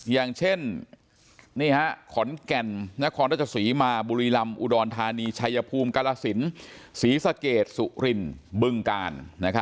อย่างเช่นขอนแก่นนครราชสีมาบุรีลำอุดรธานีชัยภูมิกาลสินศรีสะเกดสุรินบึงกาล